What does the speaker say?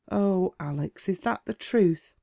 " Oh, Alex, is that the truth ?